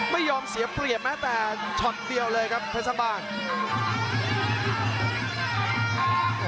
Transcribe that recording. ไม่ยอมเสียเปรียบแม้แต่ชอบเดียวเลยครับเพชรสักบ้าน